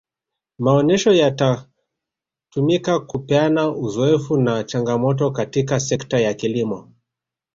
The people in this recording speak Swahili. maonesho yanatumika kupeana uzoefu na changamoto katika sekta ya kilimo